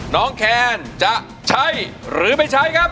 แคนจะใช้หรือไม่ใช้ครับ